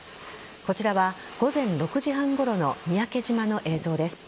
こちらは午前６時半ごろの三宅島の映像です。